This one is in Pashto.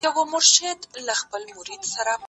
زه اوږده وخت کتابونه ليکم؟!